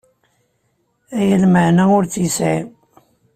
Aya lmeɛna ur tt-yesɛi.